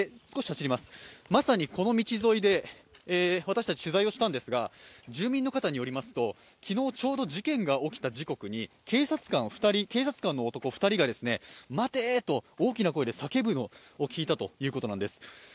まさにこの道沿いで私たち取材をしたんですが住民の方によりますと、昨日ちょうど事件が起きた時刻に警察官の男２人が「待て」と大きな声で叫ぶのを聞いたということなんです。